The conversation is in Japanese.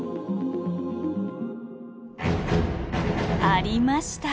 ありました！